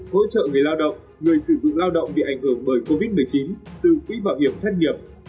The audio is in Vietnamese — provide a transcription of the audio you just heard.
hỗ trợ người lao động người sử dụng lao động bị ảnh hưởng bởi covid một mươi chín từ quỹ bảo hiểm thất nghiệp